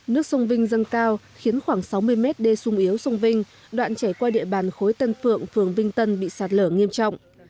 nước sông vinh dâng cao khiến khoảng sáu mươi mét đê sung yếu sông vinh đoạn chảy qua địa bàn khối tân phượng phường vinh tân bị sạt lở nghiêm trọng